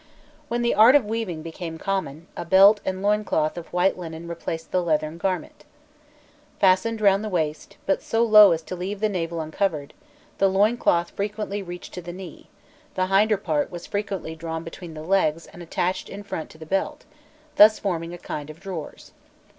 When the art of weaving became common, a belt and loin cloth of white linen replaced the leathern garment. Fastened round the waist, but so low as to leave the navel uncovered, the loin cloth frequently reached to the knee; the hinder part was frequently drawn between the legs and attached in front to the belt, thus forming a kind of drawers.